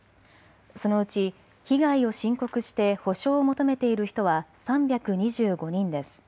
そのうち被害を申告して補償を求めている人は３２５人です。